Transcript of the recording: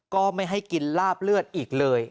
ก็ไม่ให้กินลาบเลือดอีกเลย